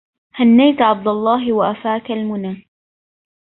هنيت عبد الله وافاك المنا